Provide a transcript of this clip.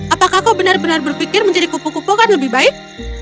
apakah kau benar benar berpikir menjadi kupu kupu kan lebih baik